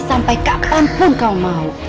sampai kapanpun kamu mau